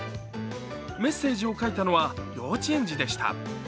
メッセージを書いたのは幼稚園児でした。